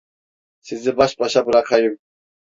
Sizi baş başa bırakayım.